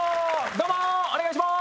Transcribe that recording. どうもお願いします！